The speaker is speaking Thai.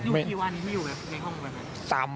อยู่ที่วันนี้ไม่อยู่ในห้องไหมครับ